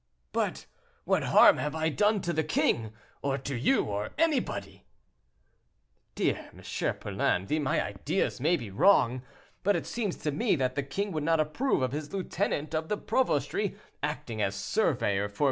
"But what harm have I done to the king, or to you, or anybody?" "Dear M. Poulain, my ideas may be wrong, but it seems to me that the king would not approve of his lieutenant of the Provostry acting as surveyor for M.